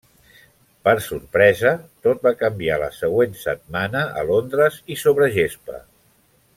Per sorpresa, tot va canviar la següent setmana a Londres i sobre gespa.